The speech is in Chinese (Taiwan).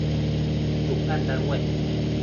主辦單位